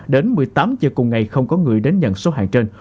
đến một mươi tám h cùng ngày không có người đến nhận số hàng trên